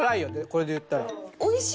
これでいったら。